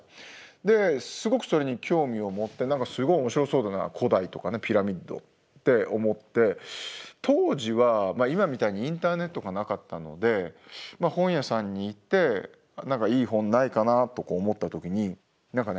ですごくそれに興味を持ってすごい面白そうだな古代とかねピラミッドって思って当時は今みたいにインターネットがなかったので本屋さんに行って何かいい本ないかなと思った時に何かね